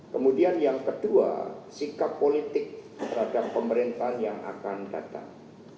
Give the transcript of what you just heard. kemudian yang kedua sikap politik terhadap pemerintahan yang akan datang